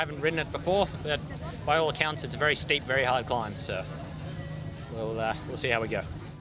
jadi kita akan lihat bagaimana kita akan pergi